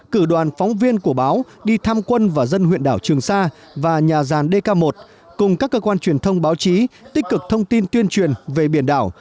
cử đoàn phóng viên của báo đi tham quân và dân huyện đảo trường sa và nhà gian dk một cùng các cơ quan truyền thông báo chí tích cực thông tin tuyên truyền về biển đảo